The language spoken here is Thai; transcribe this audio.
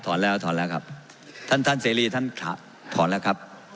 แล้วถอนแล้วครับท่านท่านเสรีท่านถอนแล้วครับ